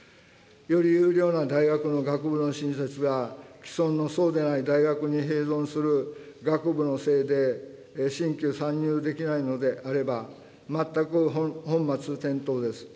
より優良な大学の学部の新設が、既存のそうでない大学に併存する学部のせいで、新規参入できないのであれば、全く本末転倒です。